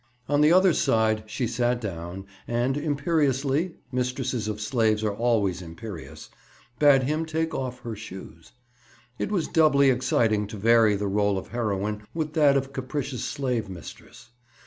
On the other side, she sat down, and imperiously—mistresses of slaves are always imperious—bade him take off her shoes. It was doubly exciting to vary the role of heroine with that of capricious slave mistress.